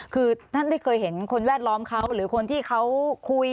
คือท่านได้เคยเห็นคนแวดล้อมเขาหรือคนที่เขาคุย